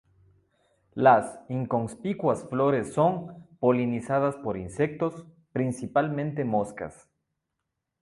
Las inconspicuas flores son polinizadas por insectos, principalmente moscas.